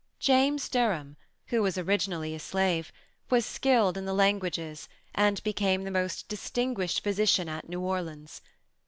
James Derham, who was originally a slave, was skilled in the languages, and became the most distinguished Physician at New Orleans.